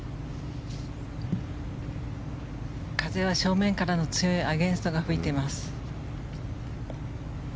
風は正面からの強いアゲンストが吹いています。